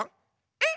えっ？